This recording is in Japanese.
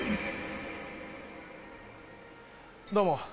どうも。